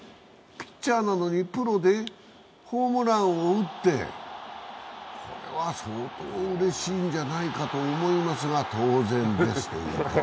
ピッチャーなのにプロでホームランを打ってこれは相当うれしいんじゃないかと思いますが、当然ですという顔で。